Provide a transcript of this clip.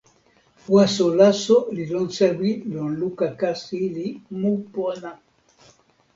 waso laso li lon sewi lon luka kasi li mu pona.